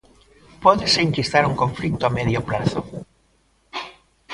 Pódese enquistar un conflito a medio prazo?